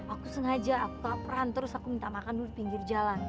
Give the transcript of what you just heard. aku sengaja aku apa peran terus aku minta makan dulu di pinggir jalan